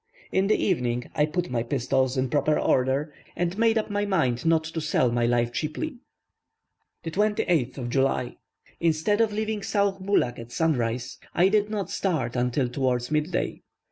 In the evening I put my pistols in proper order, and made up my mind not to sell my life cheaply. 28th July. Instead of leaving Sauh Bulak at sunrise, I did not start until towards mid day.